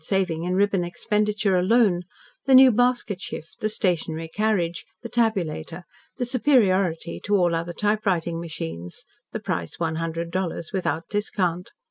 saving in ribbon expenditure alone, the new basket shift, the stationary carriage, the tabulator, the superiority to all other typewriting machines the price one hundred dollars without discount.